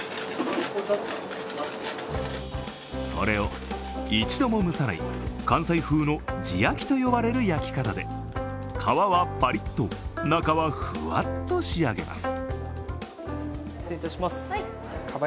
それを一度も蒸さない関西風の地焼きと呼ばれる焼き方で皮はパリッと中はふわっと仕上げます。